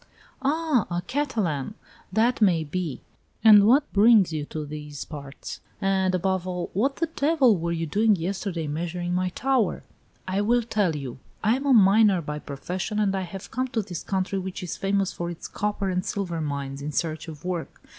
"Ah, a Catalan! That may be. And what brings you to these parts? And, above all, what the devil were you doing yesterday measuring my tower?" "I will tell you. I am a miner by profession, and I have come to this country, which is famous for its copper and silver mines, in search of work.